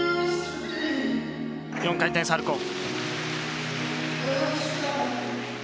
４回転サルコウ。